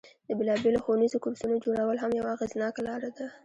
د بیلابیلو ښوونیزو کورسونو جوړول هم یوه اغیزناکه لاره ده.